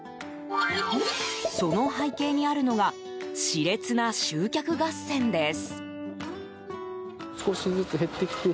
その背景にあるのが熾烈な集客合戦です。